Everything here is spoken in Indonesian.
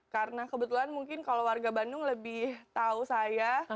karena kebetulan mungkin kalau warga bandung lebih tahu saya